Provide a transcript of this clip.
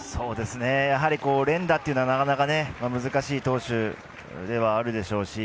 連打というのはなかなか難しい投手ではあるでしょうし